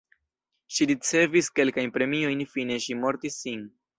Ŝi ricevis kelkajn premiojn, fine ŝi mortis sin.